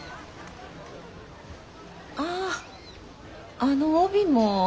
あああの帯も。